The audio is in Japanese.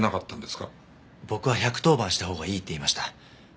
僕は１１０番したほうがいいって言いました。